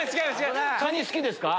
カニ好きですか？